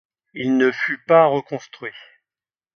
Il ne fut pas reconstruit.